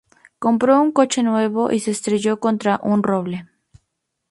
Compró un coche nuevo y se estrelló contra un roble.